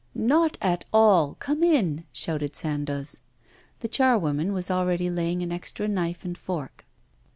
'Not at all; come in!' shouted Sandoz. The charwoman was already laying an extra knife and fork.